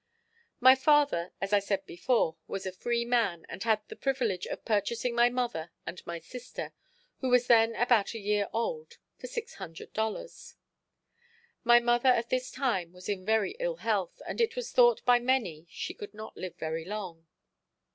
My father, as I said before, was a free man and had the privilege of purchasing my mother and my sister, who was then about a year old, for $600. My mother at this time was in very ill health, and it was thought by many she could not live very long.